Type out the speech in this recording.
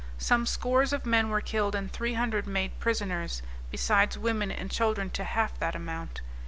Some scores of men were killed, and 300 made prisoners, besides women and children to half that amount.